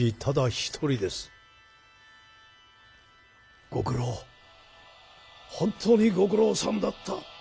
本当にご苦労さんだった。